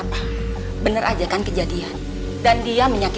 nanti aku mau undang temen temen aku